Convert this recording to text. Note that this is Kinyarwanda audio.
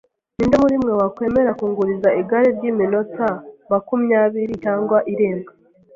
Ninde muri mwe wakwemera kunguriza igare ryiminota makumyabiri cyangwa irenga?